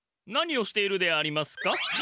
何をしているでありますか？